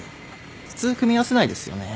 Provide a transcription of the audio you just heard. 普通組み合わせないですよね。